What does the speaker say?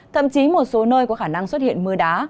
thậm chí một số nơi có khả năng xuất hiện mưa đá